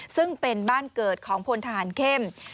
ซึ่งเป็นบ้านเกิดของพลทหารเข้ม